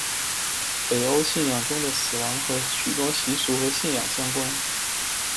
北欧信仰中的死亡和许多习俗和信仰相关。